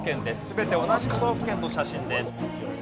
全て同じ都道府県の写真です。